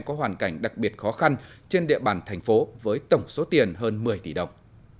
có hoàn cảnh đặc biệt khó khăn trên địa bàn thành phố với tổng số tiền hơn một mươi tỷ đồng